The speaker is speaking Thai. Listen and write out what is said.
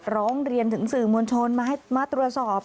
ร้องเรียนถึงสื่อมวลชนมาตรวจสอบ